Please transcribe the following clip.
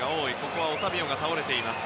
ここはオタビオが倒れています。